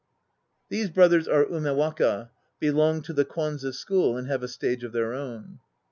These brothers are Umewaka, belong to the Kwanze School, and have a stage of their own.